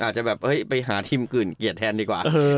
อาจจะไปหาทีมกื่นเกียรติแทนดีกว่า